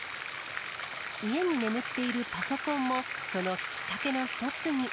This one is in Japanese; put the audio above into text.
家に眠っているパソコンも、そのきっかけの一つに。